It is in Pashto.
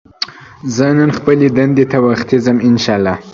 زه نن خپلې دندې ته وختي ځم ان شاءالله